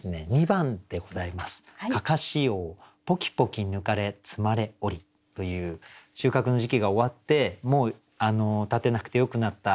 「案山子翁ぽきぽき抜かれ積まれをり」という収穫の時期が終わってもう立てなくてよくなった。